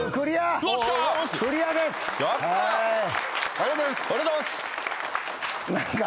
ありがとうございます。